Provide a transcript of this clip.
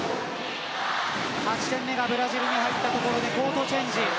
８点目がブラジルに入ったところでコートチェンジ。